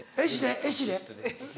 エシレ？